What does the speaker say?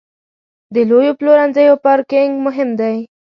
د لویو پلورنځیو پارکینګ مهم دی.